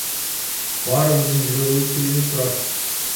Баарыбыздын жүрөгүбүз тилинип турат.